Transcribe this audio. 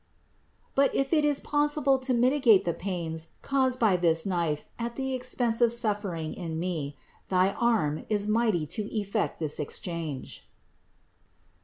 But if it is possible to mitigate the pains caused by this knife at the expense of suffering in me, thy arm is mighty to effect this exchange."